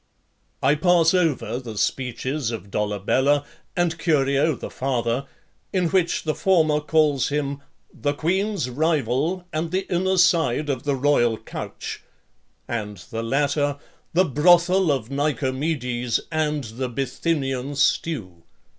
I pass over the speeches of Dolabella, and Curio, the father, in which the former calls him "the queen's rival, and the inner side of the royal couch," and the latter, "the brothel of Nicomedes, and the Bithynian stew."